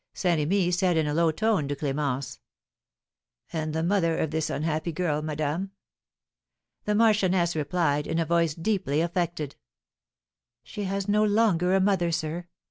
Saint Remy said in a low tone to Clémence: "And the mother of this unhappy girl, madame?" The marchioness replied, in a voice deeply affected: "She has no longer a mother, sir.